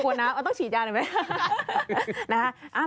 กลัวน้ำต้องฉีดยานไหม